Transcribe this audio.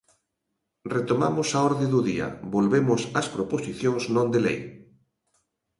Retomamos a orde do día, volvemos ás proposicións non de lei.